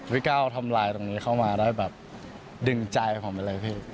พี่ก้าวทำลายตรงนี้เข้ามาแล้วแบบดึงใจของมันเลยครับ